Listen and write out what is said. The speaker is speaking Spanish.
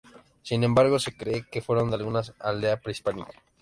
Sin embargo, se cree que fueron de alguna aldea prehispánica.